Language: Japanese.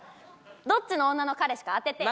どっちの女の彼氏か当ててよ。